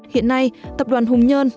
hiện nay tập đoàn hùng nhơn